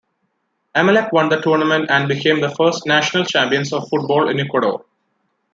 Emelec won the tournament and became the first national champions of football in Ecuador.